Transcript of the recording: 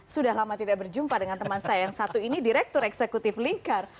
sudah lama tidak berjumpa dengan teman saya yang satu ini direktur eksekutif lingkar